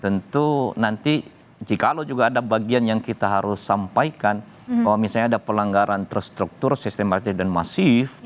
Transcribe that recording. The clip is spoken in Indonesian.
tentu nanti jikalau juga ada bagian yang kita harus sampaikan bahwa misalnya ada pelanggaran terstruktur sistematis dan masif